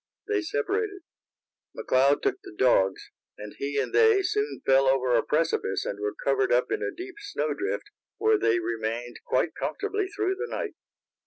They separated. McLeod took the dogs, and he and they soon fell over a precipice and were covered up in a deep snow drift, where they remained quite comfortably through the night.